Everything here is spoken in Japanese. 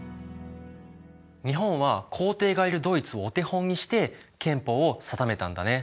日本は皇帝がいるドイツをお手本にして憲法を定めたんだね。